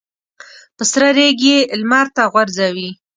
په سره ریګ یې لمر ته غورځوي.